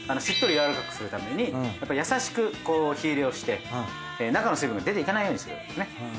しっとり柔らかくするために優しく火入れをして中の水分が出ていかないようにするんですね。